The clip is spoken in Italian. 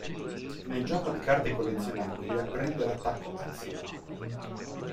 Nel gioco di carte collezionabili apprende l'attacco Azione.